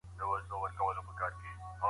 په خبرو کي به مو د منطق او دلیل قوت وي.